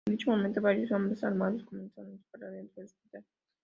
En dicho momento, varios hombres armados comenzaron a disparar dentro del hospital.